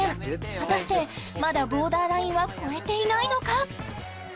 果たしてまだボーダーラインは超えていないのか